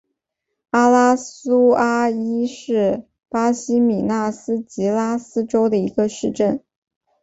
阿拉苏阿伊是巴西米纳斯吉拉斯州的一个市镇。